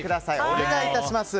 お願い致します。